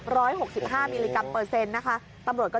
ร้อยหกสิบห้ามิลลิกรัมเปอร์เซ็นต์นะคะ